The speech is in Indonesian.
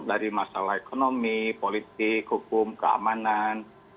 dari masalah ekonomi politik hukum keamanan